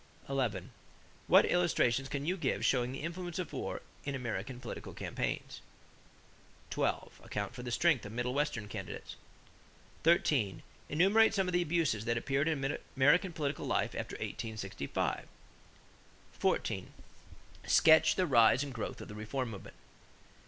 11. What illustrations can you give showing the influence of war in American political campaigns? 12. Account for the strength of middle western candidates. 13. Enumerate some of the abuses that appeared in American political life after 1865. 14. Sketch the rise and growth of the reform movement.